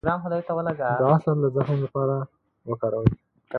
د عسل د زخم لپاره وکاروئ